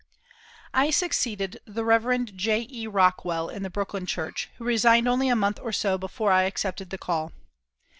I succeeded the Rev. J.E. Rockwell in the Brooklyn Church, who resigned only a month or so before I accepted the call.